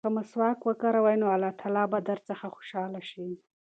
که مسواک وکاروې نو الله تعالی به درڅخه خوشحاله شي.